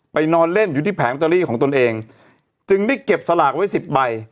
นอนเล่นอยู่ที่แผงลอตเตอรี่ของตนเองจึงได้เก็บสลากไว้สิบใบ